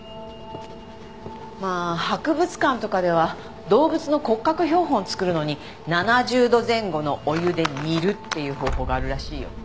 まあ博物館とかでは動物の骨格標本作るのに７０度前後のお湯で煮るっていう方法があるらしいよ。